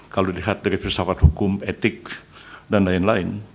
kalau dilihat dari filsafat hukum etik dan lain lain